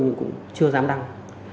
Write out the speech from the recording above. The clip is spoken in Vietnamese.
nhưng cũng chưa dám đăng